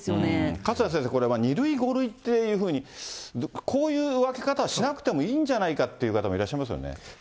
勝田先生、これ２類、５類っていうふうにこういう分け方はしなくてもいいんじゃないかっていう方もいらっしゃいますよね。